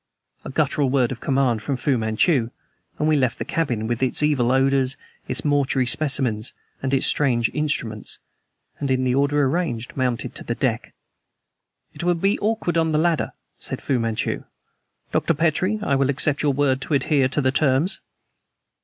A guttural word of command from Fu Manchu, and we left the cabin, with its evil odors, its mortuary specimens, and its strange instruments, and in the order arranged mounted to the deck. "It will be awkward on the ladder," said Fu Manchu. "Dr. Petrie, I will accept your word to adhere to the terms."